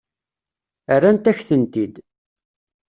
Rrant-ak-tent-id.